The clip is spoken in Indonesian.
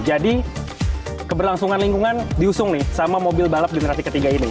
jadi keberlangsungan lingkungan diusung nih sama mobil balap generasi ketiga ini